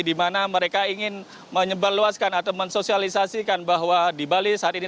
di mana mereka ingin menyebarluaskan atau mensosialisasikan bahwa di bali saat ini